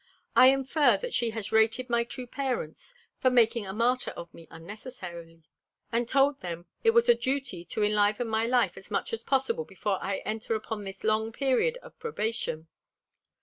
I infer that he has rated my two parents for making a martyr of me unnecessarily, and told them it was a duty to enliven my life as much as possible before I enter upon this long period of probation.